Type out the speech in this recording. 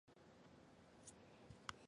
后在汴梁练兵。